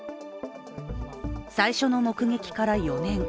最初の目撃から４年。